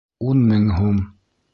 Ун мең һум!